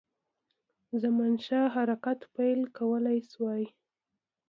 زمانشاه حرکت پیل کولای شوای.